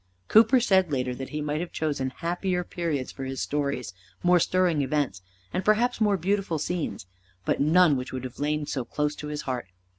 Cooper said later that he might have chosen happier periods for his stories, more stirring events, and perhaps more beautiful scenes, but none which would have lain so close to his heart.